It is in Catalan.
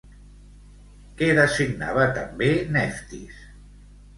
Què designava també Neftis?